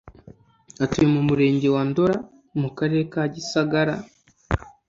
atuye mu murenge wa Ndora mu karere ka Gisagara